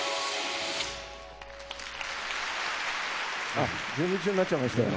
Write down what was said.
あっ準備中なっちゃいましたよ。